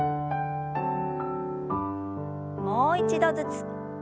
もう一度ずつ。